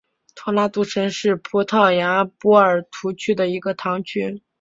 托拉杜什是葡萄牙波尔图区的一个堂区。